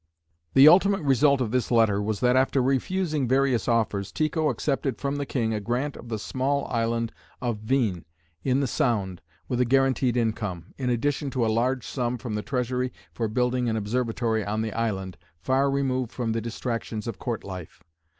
The ultimate result of this letter was that after refusing various offers, Tycho accepted from the king a grant of the small island of Hveen, in the Sound, with a guaranteed income, in addition to a large sum from the treasury for building an observatory on the island, far removed from the distractions of court life.